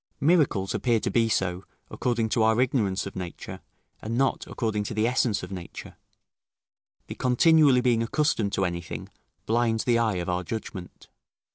Miracles appear to be so, according to our ignorance of nature, and not according to the essence of nature the continually being accustomed to anything, blinds the eye of our judgment.